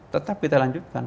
tetap kita lanjutkan